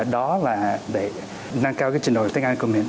đó là để nâng cao cái trình đội tiếng anh của mình